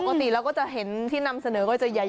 ปกติเราก็จะเห็นที่นำเสนอก็จะใหญ่